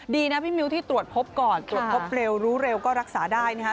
ดีนะพี่มิ้วที่ตรวจพบก่อนตรวจพบเร็วรู้เร็วก็รักษาได้นะคะ